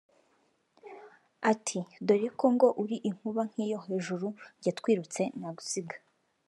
ati “Dore ko ngo uri inkuba nk’iyo hejuru jye twirutse nagusiga”